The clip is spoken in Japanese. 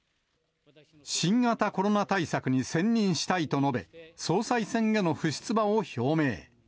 新型コロナ対策に専任したいと述べ、総裁選への不出馬を表明。